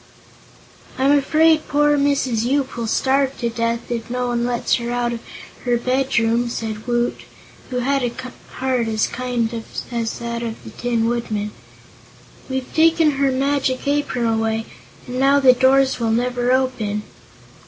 "I'm afraid poor Mrs. Yoop will starve to death, if no one lets her out of her bedroom," said Woot, who had a heart as kind as that of the Tin Woodman. "We've taken her Magic Apron away, and now the doors will never open."